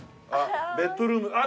ベッドルームあっ！